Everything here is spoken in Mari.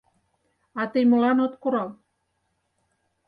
— А тый молан от курал?